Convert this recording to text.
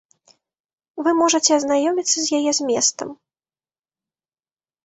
Вы можаце азнаёміцца з яе зместам.